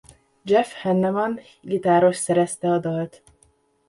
Jeff Hanneman gitáros szerezte a dalt.